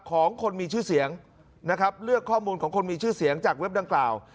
ของคนมีชื่อเสียงนะครับเลือกข้อมูลของคนมีชื่อเสียงจากเว็บดังกล่าว